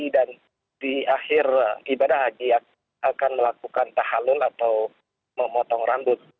dan di akhir ibadah haji akan melakukan tahalun atau memotong rambut